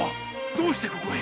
どうしてここへ？